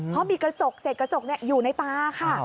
เพราะมีกระจกเสร็จกระจกอยู่ในตาค่ะ